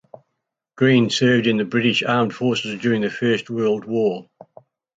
Green served in the British Armed Forces during the First World War.